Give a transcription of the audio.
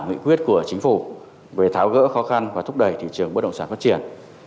nghị quyết của chính phủ về tháo gỡ khó khăn và thúc đẩy thị trường bất động sản phát triển